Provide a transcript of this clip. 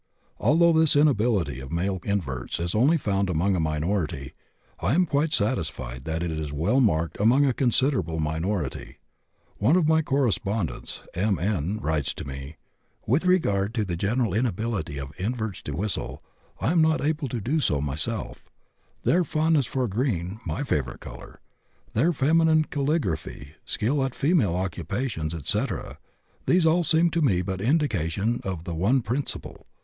Although this inability of male inverts is only found among a minority, I am quite satisfied that it is well marked among a considerable minority. One of my correspondents, M.N., writes to me: "With regard to the general inability of inverts to whistle (I am not able to do so myself), their fondness for green (my favorite color), their feminine caligraphy, skill at female occupations, etc., these all seem to me but indications of the one principle.